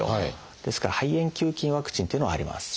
ですから肺炎球菌ワクチンっていうのはあります。